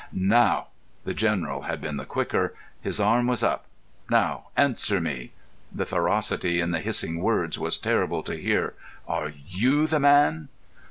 "Now!" The General had been the quicker. His arm was up. "Now answer me." The ferocity in the hissing words was terrible to hear. "Are you the man?"